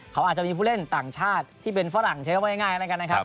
เขาอาจจะมีผู้เล่นต่างชาติที่เป็นฝรั่งใช้คำว่าง่ายแล้วกันนะครับ